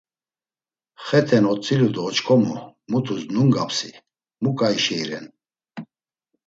Xeten otzilu do oç̆k̆omu mutus nungapsi, mu k̆ai şei ren?